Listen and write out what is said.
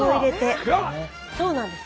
そうなんです。